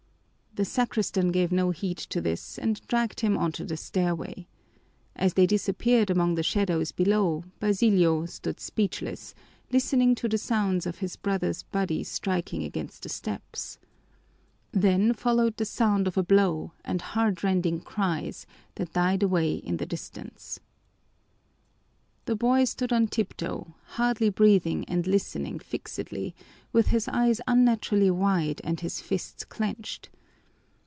The sacristan gave no heed to this and dragged him on to the stairway. As they disappeared among the shadows below Basilio stood speechless, listening to the sounds of his brother's body striking against the steps. Then followed the sound of a blow and heartrending cries that died away in the distance. The boy stood on tiptoe, hardly breathing and listening fixedly, with his eyes unnaturally wide and his fists clenched.